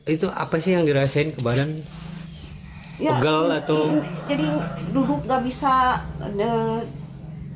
itu apa sih yang dirasain ke badan ya gel atau jadi duduk nggak bisa ada